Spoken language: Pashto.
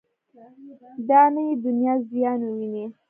دا نه یې دنیا زیان وویني.